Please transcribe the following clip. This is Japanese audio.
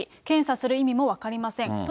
検査する意味も分かりません。